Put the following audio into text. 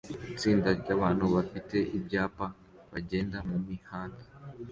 itsinda ryabantu bafite ibyapa bagenda mumihanda